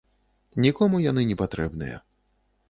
Нікому яны не патрэбныя.